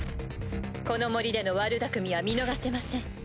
この森での悪巧みは見逃せません。